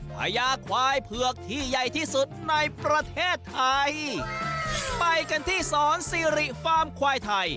พญาควายเผือกที่ใหญ่ที่สุดในประเทศไทยไปกันที่สอนซีริฟาร์มควายไทย